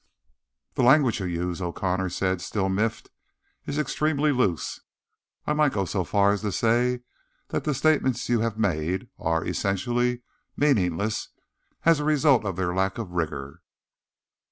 "The language you use," O'Connor said, still miffed, "is extremely loose. I might go so far as to say that the statements you have made are, essentially, meaningless as a result of their lack of rigor."